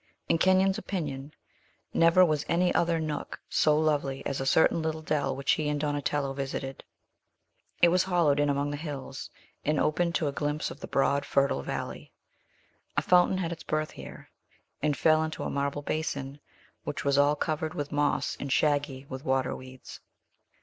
In Kenyon's opinion, never was any other nook so lovely as a certain little dell which he and Donatello visited. It was hollowed in among the hills, and open to a glimpse of the broad, fertile valley. A fountain had its birth here, and fell into a marble basin, which was all covered with moss and shaggy with water weeds.